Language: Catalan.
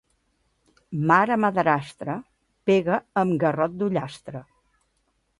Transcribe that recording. Mare madrastra, pega amb garrot d'ullastre.